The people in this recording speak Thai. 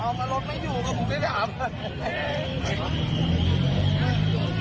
เอามาลดไม่อยู่กับผมไม่ได้หาเพื่อน